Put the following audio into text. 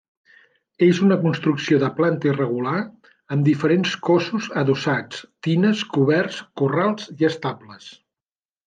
És una construcció de planta irregular amb diferents cossos adossats: tines, coberts, corrals i estables.